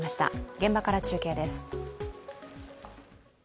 現場から中継です。